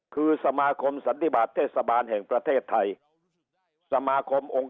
คือสมาคมสันติบาทเทศบาลแห่งประเทศไทย